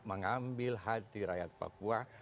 mengambil hati rakyat papua